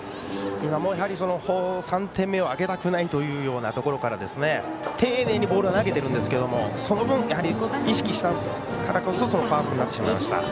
今のも３点目をあげたくないというところから丁寧にボール投げているんですがその分意識したからこそフォアボールになってしまいました。